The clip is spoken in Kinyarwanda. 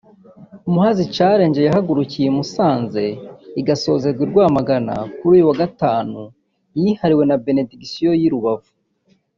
Muhazi Challenge yahagurukiye i Musanzi igasorezwa i Rwamagana kuri uyu wa gatandatu yihariwe na Benediction y’i Rubavu